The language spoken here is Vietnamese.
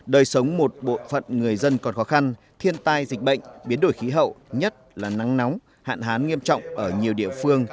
đời sống một bộ phận người dân còn khó khăn thiên tai dịch bệnh biến đổi khí hậu nhất là nắng nóng hạn hán nghiêm trọng ở nhiều địa phương